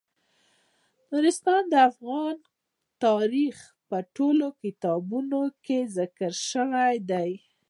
نورستان د افغان تاریخ په ټولو کتابونو کې ذکر شوی دی.